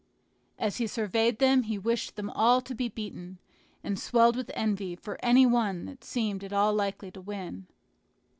As he surveyed them he wished them all to be beaten, and swelled with envy of any one that seemed at all likely to win.